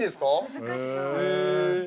◆難しそう。